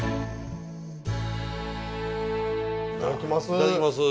いただきます。